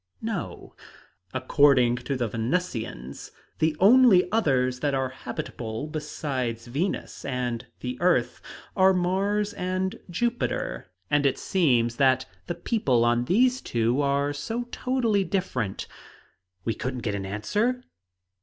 "No. According to the Venusians, the only others that are habitable besides Venus and the earth, are Mars and Jupiter. And it seems that the people on these two are so totally different " "We couldn't get an answer?"